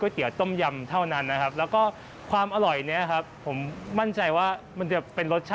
ที่ไหนอย่ามควีน